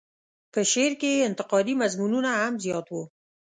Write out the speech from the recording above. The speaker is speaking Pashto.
په شعر کې یې انتقادي مضمونونه هم زیات وو.